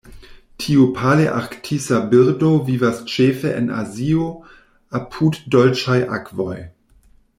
Tiu palearktisa birdo vivas ĉefe en Azio apud dolĉaj akvoj.